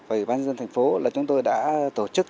và ủy ban dân thành phố là chúng tôi đã tổ chức